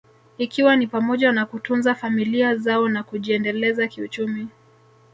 ikiwa ni pamoja na kutunza familia zao na kujiendeleza kiuchumi